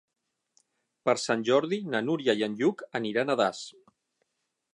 Per Sant Jordi na Núria i en Lluc aniran a Das.